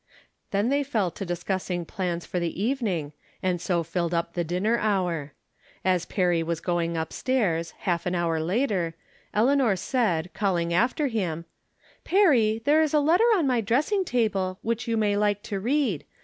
Then they fell to discussing plans for the even ing, and so filled up the dinner hour. As Perry was going up stairs, half an hour later, Eleanor said, calling after him :" Perry, there is a letter on my dressing table which you may like to read.